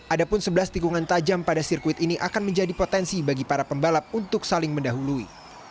ada pun sebelas tikungan tajam pada sirkuit ini akan menjadi potensi bagi para pembalap untuk saling mendahului